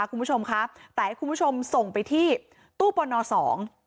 คุณผู้ชมครับแต่ให้คุณผู้ชมส่งไปที่ตู้ปนอสอง